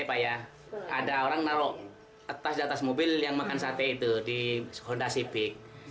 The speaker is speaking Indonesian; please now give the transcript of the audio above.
ada orang menaruh tas di atas mobil yang makan sate itu di honda civic